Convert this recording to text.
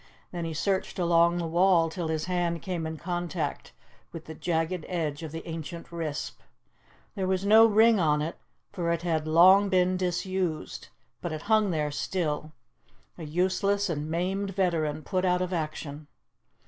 Then he searched along the wall till his hand came in contact with the jagged edge of the ancient risp. There was no ring on it, for it had long been disused, but it hung there still a useless and maimed veteran, put out of action.